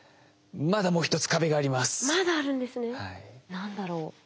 何だろう？